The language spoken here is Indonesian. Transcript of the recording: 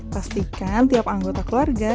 pastikan tiap anggota keluarga